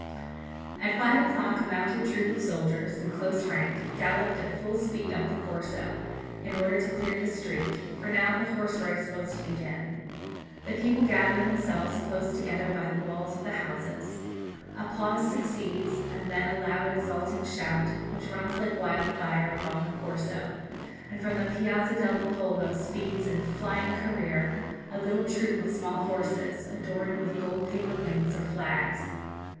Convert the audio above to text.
"At five o'clock a mounted troop of soldiers, in close rank, galloped at full speed up the Corso, in order to clear the street, for now the horse race was to begin. The people gather themselves close together by the walls of the houses; a pause succeeds, and then a loud exulting shout, which runs like wildfire along the Corso; and from the Piazza del Popolo speeds, in flying career, a little troop of small horses, adorned with gold paper wings or flags.